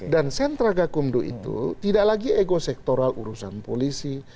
dan sentraga kumdo itu tidak lagi ekosektoral urusan polisi